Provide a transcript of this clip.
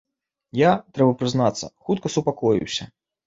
Я, трэба прызнацца, хутка супакоіўся.